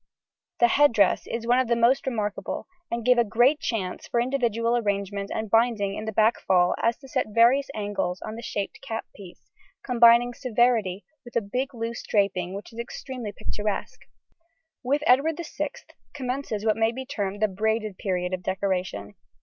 The head dress is one of the most remarkable, and gave a great chance for individual arrangement in binding the back fall to set at various angles on the shaped cap piece, combining severity with a big loose draping which is extremely picturesque. With Edward VI commences what may be termed the braided period of decoration.